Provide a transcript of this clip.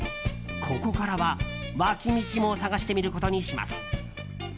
ここからは脇道も探してみることにします。